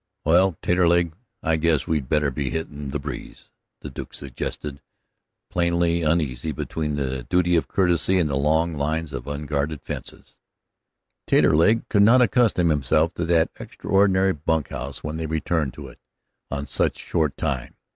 "Well, Taterleg, I guess we'd better be hittin' the breeze," the Duke suggested, plainly uneasy between the duty of courtesy and the long lines of unguarded fence. Taterleg could not accustom himself to that extraordinary bunkhouse when they returned to it, on such short time.